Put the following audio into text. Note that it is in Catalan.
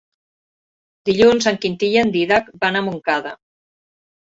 Dilluns en Quintí i en Dídac van a Montcada.